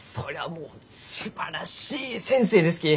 もうすばらしい先生ですき！